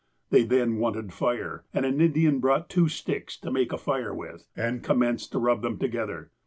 '' Then they wanted fire, and an Indian brought two sticks to make a fire with, and commenced to rub them together.